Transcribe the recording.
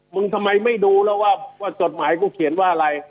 ทำไมไม่ดูแล้วว่าจดหมายกูเขียนว่าอะไร